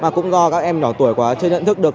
mà cũng do các em nhỏ tuổi quá chưa nhận thức được